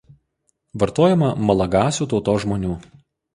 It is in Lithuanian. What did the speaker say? Vartojama malagasių tautos žmonių.